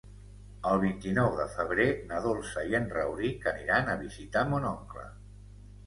El vint-i-nou de febrer na Dolça i en Rauric aniran a visitar mon oncle.